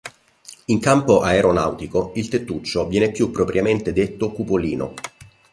In campo aeronautico, il tettuccio viene più propriamente detto cupolino.